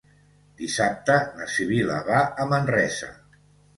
Dissabte na Sibil·la va a Manresa.